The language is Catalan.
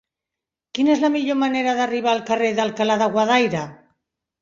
Quina és la millor manera d'arribar al carrer d'Alcalá de Guadaira?